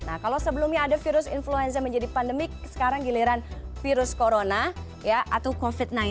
nah kalau sebelumnya ada virus influenza menjadi pandemik sekarang giliran virus corona atau covid sembilan belas